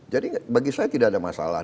jadi bagi saya tidak ada masalah